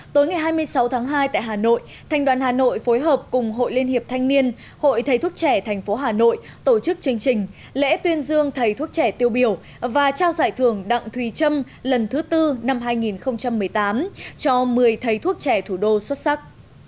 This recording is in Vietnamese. tối ngày hai mươi sáu tháng hai tại hà nội thành đoàn hà nội phối hợp cùng hội liên hiệp thanh niên hội thầy thuốc trẻ thành phố hà nội tổ chức chương trình lễ tuyên dương thầy thuốc trẻ tiêu biểu và trao giải thưởng đặng thùy trâm lần thứ tư năm hai nghìn một mươi tám cho một mươi thầy thuốc trẻ thủ đô xuất sắc